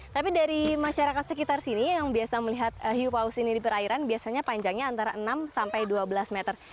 tapi dari masyarakat sekitar sini yang biasa melihat hiu paus ini di perairan biasanya panjangnya antara enam sampai dua belas meter